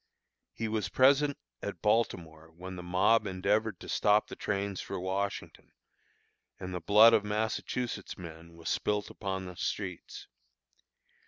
He was present at Baltimore when the mob endeavored to stop the trains for Washington, and the blood of Massachusetts men was spilt upon the streets.